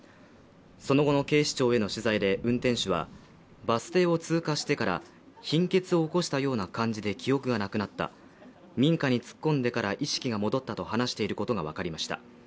その後の警視庁への取材で運転手はバス停を通過してから貧血を起こしたような感じで記憶がなくなった民家に突っ込んでから意識が戻ったと話していることが分かりました